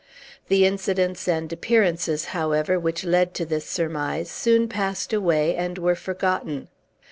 The incidents and appearances, however, which led to this surmise soon passed away, and were forgotten.